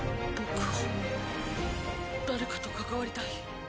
僕は誰かと関わりたい。